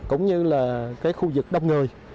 cũng như là khu vực đông người